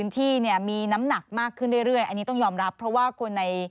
ที่เนี่ยมีน้ำหนักมากขึ้นเรื่อยอันนี้ต้องยอมรับเพราะว่าคนใน